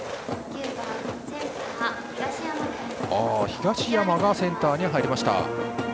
東山がセンターに入りました。